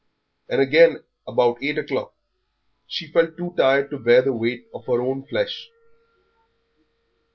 And again, about eight o'clock, she felt too tired to bear the weight of her own flesh.